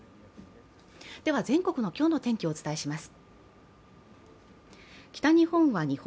では、全国の今日のお天気をお伝えします。